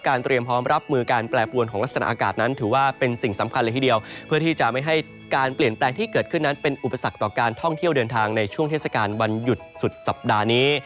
เตรียมพร้อมรับมือการแปรปวนของลักษณะอากาศนั้นถือว่าเป็นสิ่งสำคัญเลยทีเดียวเพื่อที่จะไม่ให้การเปลี่ยนแปลงที่เกิดขึ้นนั้นเป็นอุปสรรคต่อการท่องเที่ยวเดินทางในช่วงเทศกาลวันหยุดสุดสัปดาห์นี้